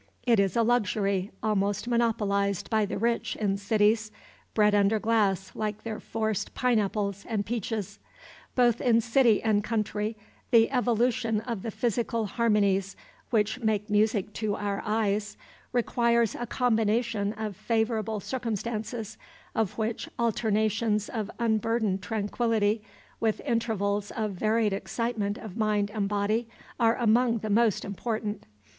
It is a luxury almost monopolized by the rich in cities, bred under glass like their forced pine apples and peaches. Both in city and country, the evolution of the physical harmonies which make music to our eyes requires a combination of favorable circumstances, of which alternations of unburdened tranquillity with intervals of varied excitement of mind and body are among the most important.